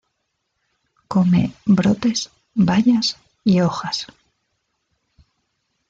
Come brotes, bayas y hojas.